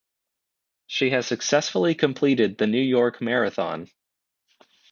She has successfully completed the New York Marathon.